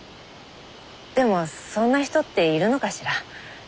でもそんな人っているのかしら？